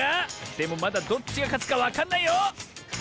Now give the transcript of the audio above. でもまだどっちがかつかわかんないよ！